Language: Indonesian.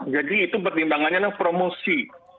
jadi itu pertimbangannya adalah promosi